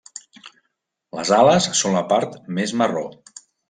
Les ales són la part més marró.